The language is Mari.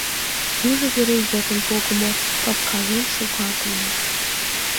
Южо вере йытын погымо, папкален шогалтыме.